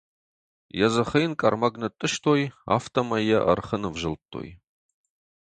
Йӕ дзыхы йын къӕрмӕг нытътъыстой, афтӕмӕй йӕ ӕрхы нывзылдтой.